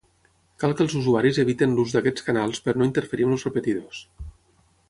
Cal que els usuaris evitin l'ús d'aquests canals per no interferir amb els repetidors.